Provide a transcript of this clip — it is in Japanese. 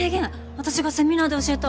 あたしがセミナーで教えた。